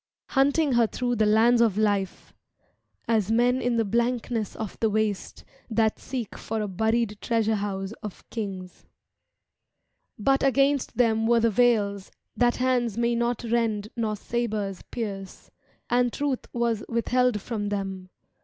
Hunting her through the lands of life. As men in the blankness of the waste That seek for a buried treasure house of kings. 1162 "^^J V ' oo . OooO S£> V \\>> But against them were the veils That hands may not rend nor sabres pierce; And truth was withheld from them.